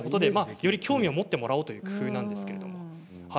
より興味を持ってもらおうということなんです。